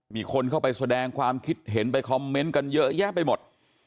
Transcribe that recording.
มีคนเข้าไปแสดงความคิดเห็นไปคอมเมนต์กันเยอะแยะไปหมด